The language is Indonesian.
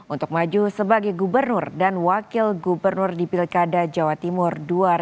untuk maju sebagai gubernur dan wakil gubernur di pilkada jawa timur dua ribu delapan belas